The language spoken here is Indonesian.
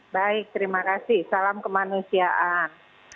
baik terima kasih salam kemanusiaan